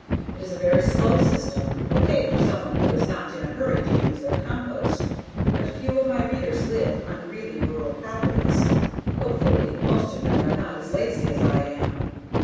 It is a very slow system, okay for someone who is not in a hurry to use their compost. But few of my readers live on really rural properties; hopefully, most of them are not as lazy as I am.